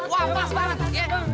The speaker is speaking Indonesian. wah pas banget